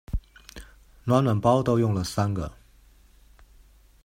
暖暖包都用了三个